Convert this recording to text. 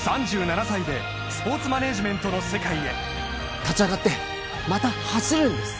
３７歳でスポーツマネージメントの世界へ立ち上がってまた走るんです！